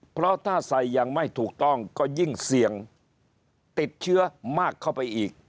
เพราะถ้าใส่ยังไม่ถูกต้องก็ยิ่งเสี่ยงติดเชื้อมากเข้าไปอีก